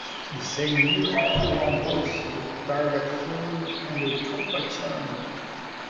The same year, he won both the Targa Florio and the Coppa Ciano.